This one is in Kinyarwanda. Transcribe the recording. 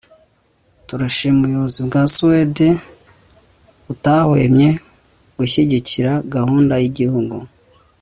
turashimira ubuyobozi bwa suwede batahwemye gushyigikira gahunda y'igihugu